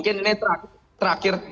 dan pertanyaannya terakhir